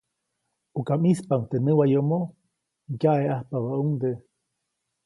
ʼUka ʼmispaʼuŋ teʼ näwayomo, ŋyaʼeʼajpabäʼuŋde.